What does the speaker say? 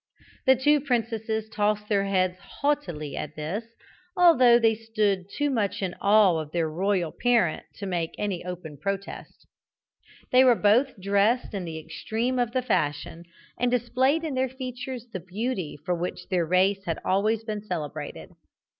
The two princesses tossed their heads haughtily at this, although they stood too much in awe of their royal parent to make any open protest. They were both dressed in the extreme of the fashion, and displayed in their features the beauty for which their race had always been celebrated.